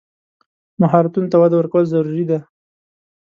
مهارتونو ته وده ورکول ضروري دي.